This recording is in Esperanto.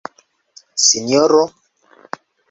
Sinjoro?